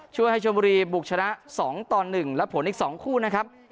ช่วยให้ชมบุรีบุกชนะสองตอนหนึ่งแล้วผลอีกสองคู่นะครับ